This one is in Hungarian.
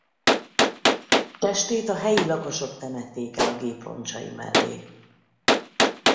Testét a helyi lakosok temették el a gép roncsai mellé.